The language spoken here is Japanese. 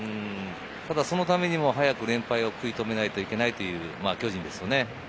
そのためにも早く連敗を食い止めないといけないという巨人ですね。